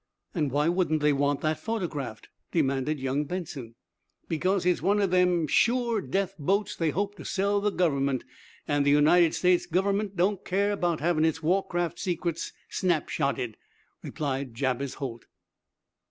'" "And why wouldn't they want that photographed?" demanded young Benson. "Because it's one of them sure death boats they hope to sell the Government, and the United States Government don't care 'bout havin' its war craft secrets snap shotted," replied Jabez Holt.